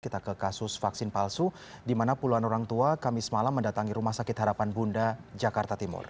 kita ke kasus vaksin palsu di mana puluhan orang tua kamis malam mendatangi rumah sakit harapan bunda jakarta timur